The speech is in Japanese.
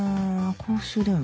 公衆電話？